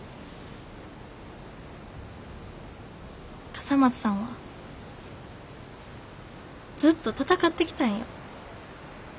笠松さんはずっと戦ってきたんよ。